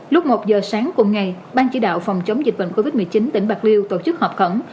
lúc một giờ sáng cùng ngày ban chỉ đạo phòng chống dịch bệnh covid một mươi chín tỉnh bạc liêu tổ chức họp khẩn